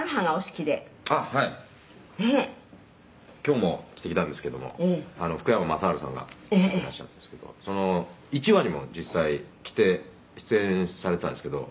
「今日も着てきたんですけども福山雅治さんがいらっしゃるんですけどその１話にも実際着て出演されていたんですけど」